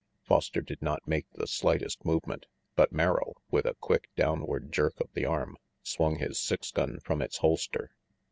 Foster did not make the slightest movement; but Merrill, with a quick, downward jerk of the arm, swung his six gun from its holster.